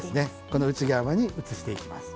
この内釜に移していきます。